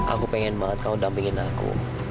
aku pengen banget kamu dampingin aku